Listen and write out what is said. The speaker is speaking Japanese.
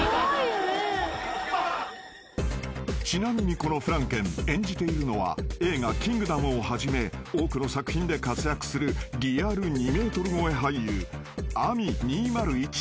［ちなみにこのフランケン演じているのは映画『キングダム』をはじめ多くの作品で活躍するリアル２ｍ超え俳優］